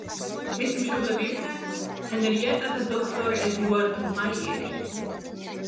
მისი მშობლები იყვნენ ჰენრიეტა და დოქტორ ედუარდ მაიერი.